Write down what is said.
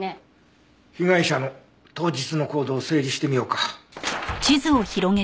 被害者の当日の行動を整理してみようか。